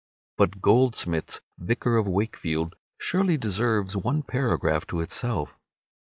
But Goldsmith's "Vicar of Wakefield" surely deserves one paragraph to itself.